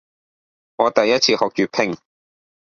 我第一次學粵拼